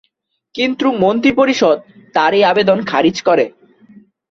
কিন্তু মন্ত্রিপরিষদ তার এ আবেদন খারিজ করে।